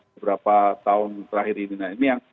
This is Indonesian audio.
beberapa tahun terakhir ini nah ini yang